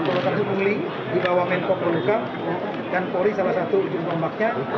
kalau terlalu muli di bawah menko perlukan dan poli salah satu ujung pembaknya